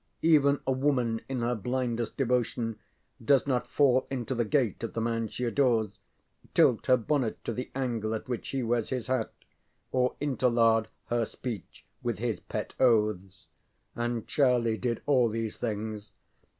Even a woman in her blindest devotion does not fall into the gait of the man she adores, tilt her bonnet to the angle at which he wears his hat, or interlard her speech with his pet oaths. And Charlie did all these things.